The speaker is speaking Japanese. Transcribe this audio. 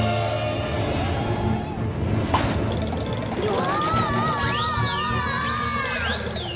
うわ！